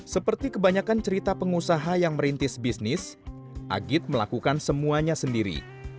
seperti kebanyakan cerita pengusaha yang merintis bisnis agit melakukan semuanya sendiri